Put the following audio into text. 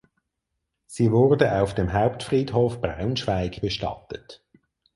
Sie wurde auf dem Hauptfriedhof Braunschweig bestattet.